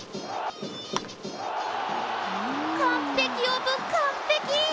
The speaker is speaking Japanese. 完璧オブ完璧！